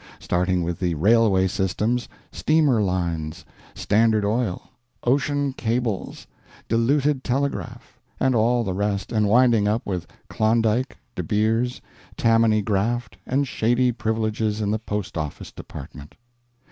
Starting with the Railway Systems, Steamer Lines, Standard Oil, Ocean Cables, Diluted Telegraph, and all the rest, and winding up with Klondike, De Beers, Tammany Graft, and Shady Privileges in the Post office Department.